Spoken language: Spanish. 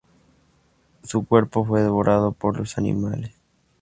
Su cuerpo fue devorado por los animales.